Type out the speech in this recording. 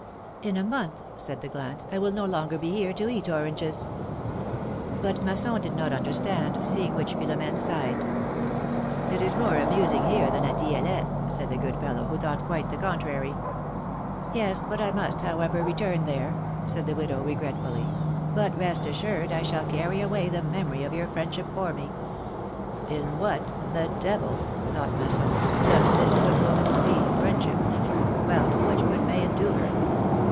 In a month," said the glance, I will no longer be here to eat oranges 1" 220 philohj^ne's marriages. But Masson did not understand, seeing which Philo ni5ne sighed. It is more amusing here than at Di^lette/^ said the good fellow, who thought quite the contrary. ^^Yes! But I must, however, return there,'^ said the widow, regretfully ; but rest assured I shall carry away the memory of your friendship for me.'^ In what, the devil ! thought Masson, does this good woman see friendship? Well, much good may it do her!